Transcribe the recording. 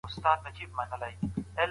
که زړه رګونه بند شي، ناروغ د مرګ خطر لري.